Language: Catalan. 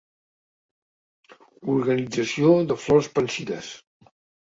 Organització de flors pansides.